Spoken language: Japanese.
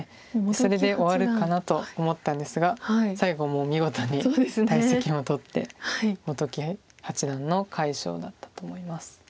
それで終わるかなと思ったんですが最後もう見事に大石も取って本木八段の快勝だったと思います。